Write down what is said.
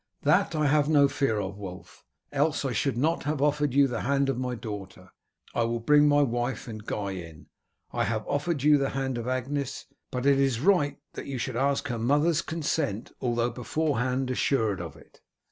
"That I have no fear of, Wulf, else I should not have offered you the hand of my daughter. I will bring my wife and Guy in. I have offered you the hand of Agnes, but it is right that you should ask her mother's consent, although beforehand assured of it."